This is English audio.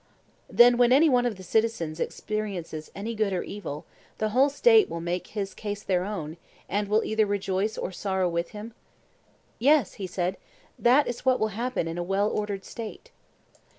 Then when any one of the citizens experiences any good or evil, the whole State will make his case their own, and will either rejoice or sorrow with him? Yes, he said, that is what will happen in a well ordered State.